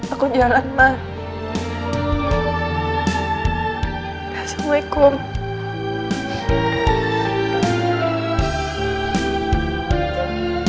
aku jangan lupa